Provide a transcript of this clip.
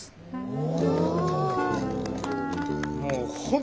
お。